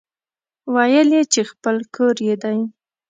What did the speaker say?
ويل يې چې خپل کور يې دی.